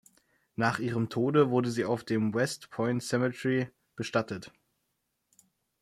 Nach ihrem Tode wurde sie auf dem West Point Cemetery bestattet.